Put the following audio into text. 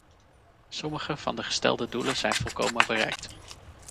Sommige van de gestelde doelen zijn volkomen bereikt.